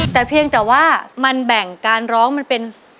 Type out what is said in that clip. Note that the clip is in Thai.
แต่เพียงแต่ว่ามันแบ่งการร้องมันเป็น